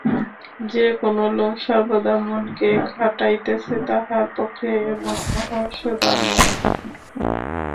যে-কোনো লোক সর্বদা মনকে খাটাইতেছে তাহার পক্ষে এমন মহৌষধ আর নাই।